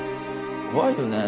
怖いよね。